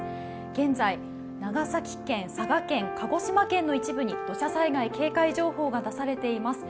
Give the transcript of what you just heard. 現在、長崎県、佐賀県、鹿児島県の一部に土砂災害警戒情報が出されています。